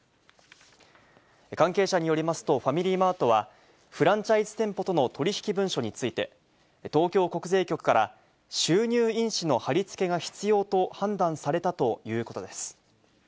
関係者によりますと、ファミリーマートは、フランチャイズ店舗との取り引き文書について、東京国税局から、収入印紙の貼り付けが必要と判断されたということです。